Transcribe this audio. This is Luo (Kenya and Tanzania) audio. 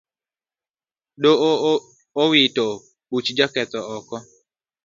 Doho owito buch joketho oko